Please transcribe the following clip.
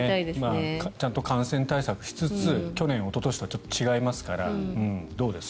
ちゃんと感染対策しつつ去年おととしと違いますからどうです？